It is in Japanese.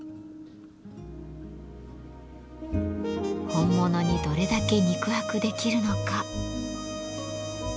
本物にどれだけ肉薄できるのか。